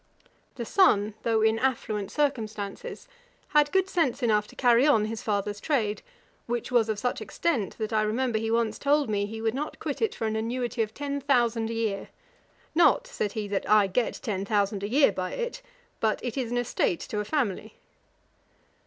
The son, though in affluent circumstances, had good sense enough to carry on his father's trade, which was of such extent, that I remember he once told me, he would not quit it for an annuity of ten thousand a year; 'Not (said he,) that I get ten thousand a year by it, but it is an estate to a family.'